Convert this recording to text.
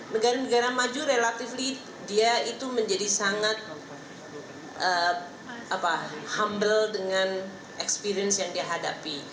negara negara maju relatively dia itu menjadi sangat humble dengan experience yang dia hadapi